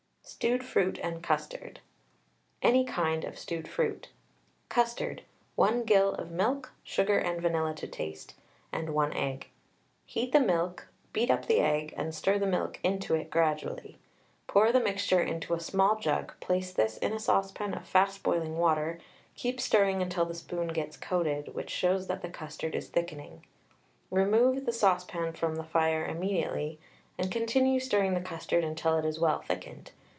STEWED FRUIT AND CUSTARD. Any kind of stewed fruit. Custard: 1 gill of milk, sugar and vanilla to taste, and 1 egg. Heat the milk, beat up the egg, and stir the milk into it gradually; pour the mixture into a small jug, place this in a saucepan of fast boiling water, keep stirring until the spoon gets coated, which shows that the custard is thickening. Remove the saucepan from the fire immediately, and continue stirring the custard until it is well thickened.